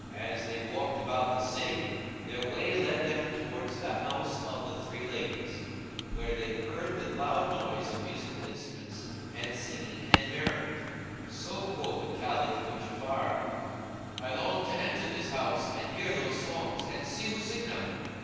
[FN#172] As they walked about the city, their way led them towards the house of the three ladies; where they heard the loud noise of musical instruments and singing and merriment; so quoth the Caliph to Ja'afar, "I long to enter this house and hear those songs and see who sing them."